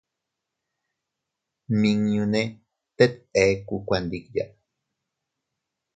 Nmiñune teet eku kuandiya.